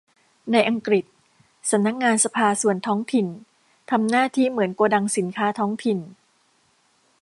ในอังกฤษ สำนักงานสภาส่วนท้องถิ่นทำหน้าที่เหมือนโกดังสินค้าท้องถิ่น